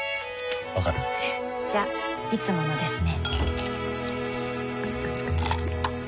わかる？じゃいつものですね